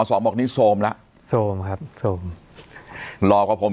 สวัสดีครับทุกผู้ชม